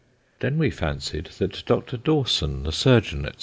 Then we fancied that Mr. Dawson, the surgeon, &c.